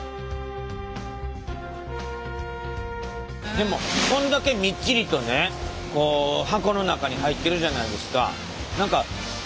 でもこんだけみっちりとね箱の中に入ってるじゃないですか